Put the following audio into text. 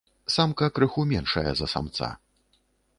Самка крыху меншая за самца.